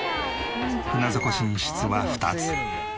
船底寝室は２つ。